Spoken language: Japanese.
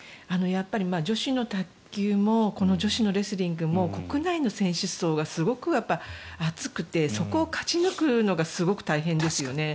女子の卓球もこの女子のレスリングも国内の選手層がすごく厚くてそこを勝ち抜くのがすごく大変ですよね。